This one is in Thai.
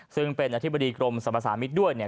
ซึ่งเป็นอธิบดีกรมสรรพสามิตรด้วยเนี่ย